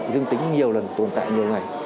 dương tính nhiều lần tồn tại nhiều ngày